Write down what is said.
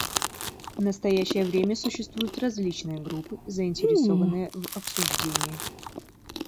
В настоящее время существуют различные группы, заинтересованные в обсуждении.